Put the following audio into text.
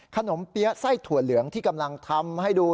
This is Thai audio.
เปี๊ยะไส้ถั่วเหลืองที่กำลังทำให้ดู